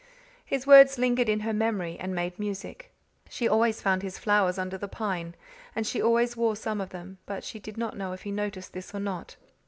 His words lingered in her memory and made music. She always found his flowers under the pine, and she always wore some of them, but she did not know if he noticed this or not.